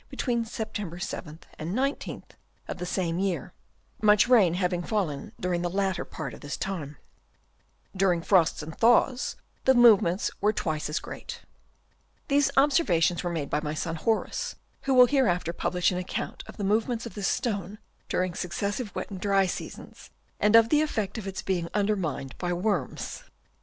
between September 7th and 19th of the same year, much rain having fallen during the latter part of this time. During frosts and thaws 122 HABITS OF WOKMS. Chap. II. the movements were twice as great. These observations were made by my son Horace, who will hereafter publish an account of the movements of this stone during successive wet and dry seasons, and of the effects of its being undermined by worms.